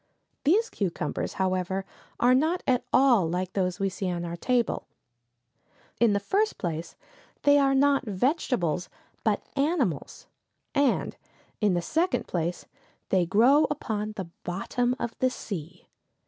These cucumbers, however, are not at all like those we see on our tables. In the first place, they are not vegetables, but animals, and, in the second place they grow upon the bottom of the sea.